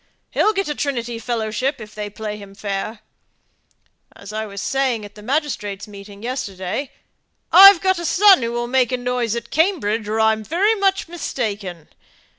He'll get a Trinity fellowship, if they play him fair. As I was saying at the magistrates' meeting yesterday, 'I've got a son who will make a noise at Cambridge, or I'm very much mistaken.'